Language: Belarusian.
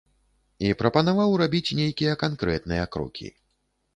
І прапанаваў рабіць нейкія канкрэтныя крокі.